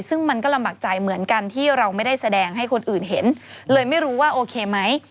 ซึ่งมันก็ลำบากใจเหมือนกันที่เราไม่ได้แสดงให้คนอื่นเห็นเลยไม่รู้ว่าโอเคไหม